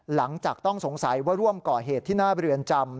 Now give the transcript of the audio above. หลังจากต้องสงสัยว่าร่วมก่อเหตุที่หน้าเรือนจำ